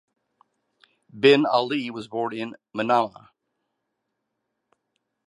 Bin Ali was born in Manama.